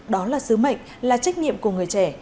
đó là sứ mệnh là trách nhiệm của người trẻ